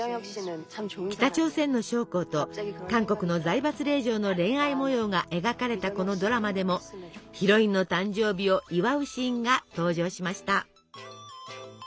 北朝鮮の将校と韓国の財閥令嬢の恋愛模様が描かれたこのドラマでもヒロインの誕生日を祝うシーンが登場しました。